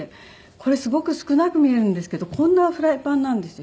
これすごく少なく見えるんですけどこんなフライパンなんですよ。